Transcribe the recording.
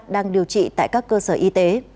đang điều trị tại các cơ sở y tế